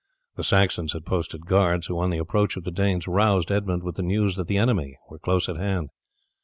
The Saxons had posted guards, who on the approach of the Danes roused Edmund with the news that the enemy were close at hand.